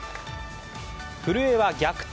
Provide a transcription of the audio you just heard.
古江は逆転